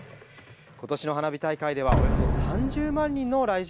今年の花火大会ではおよそ３０万人の来場を見込んでいます。